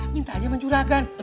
minta aja ban juragan